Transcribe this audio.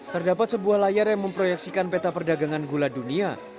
terdapat sebuah layar yang memproyeksikan peta perdagangan gula dunia